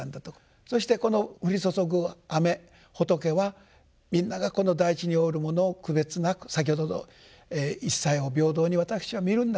そしてこの降り注ぐ雨仏はみんながこの大地に生うるものを区別なく先ほどの一切を平等に私は見るんだと。